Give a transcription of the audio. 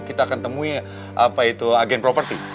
kita akan temui agen properti